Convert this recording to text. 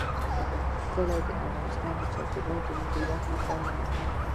کلي د افغانستان د چاپیریال د مدیریت لپاره مهم دي.